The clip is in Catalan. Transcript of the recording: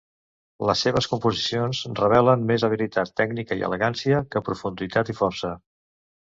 Les seves composicions revelen més habilitat tècnica i elegància que profunditat i força.